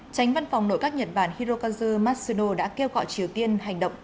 tránh văn phòng nội các nhật bản hirokazu matsuno đã kêu gọi triều tiên hành động